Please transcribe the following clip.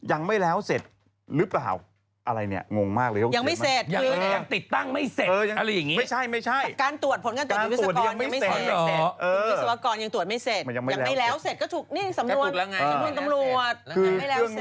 อันนี้ไปเท่าไหร่เดี๋ยวดู